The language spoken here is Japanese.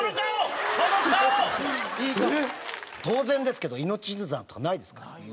当然ですけど命綱とかないですから。